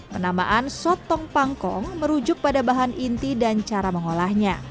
penamaan sotong pangkong merujuk pada bahan inti dan cara mengolahnya